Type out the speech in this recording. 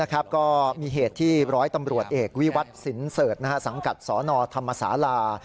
ก็มีเหตุที่ร้อยตำรวจเอกวิวัตรสินเสิร์ชสังกัดสนธรรมศาลา